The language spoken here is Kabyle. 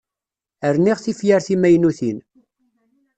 Rniɣ tifyar timaynutin.